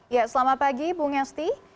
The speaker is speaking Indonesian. ya selamat pagi bu ngesti